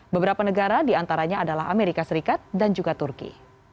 beberapa negara diantaranya adalah amerika serikat dan juga turki